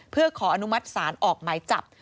เพื่อขออนุมัติศาลออกหมายจับ